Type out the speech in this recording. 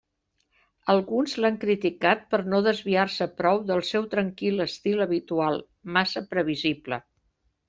Alguns l'han criticat per no desviar-se prou del seu tranquil estil habitual, massa previsible.